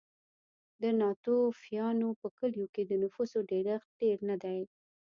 د ناتوفیانو په کلیو کې د نفوسو ډېرښت ډېر نه دی.